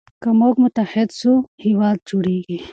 که موږ متحد سو هیواد جوړیږي.